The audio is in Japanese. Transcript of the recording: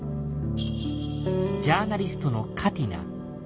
ジャーナリストのカティナ。